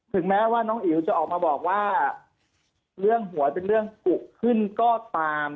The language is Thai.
แม้ว่าน้องอิ๋วจะออกมาบอกว่าเรื่องหวยเป็นเรื่องกุขึ้นก็ตาม